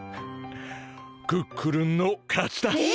クックルンの勝ちだ！え？